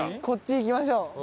こっち行きましょう。